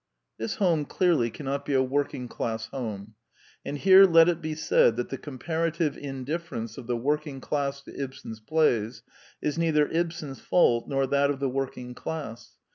This home clearly cannot be a working class home. And here let it be said that the compara tive indifference of the working class to Ibsen's plays is neither Ibsen's fault nor that of the work ing class.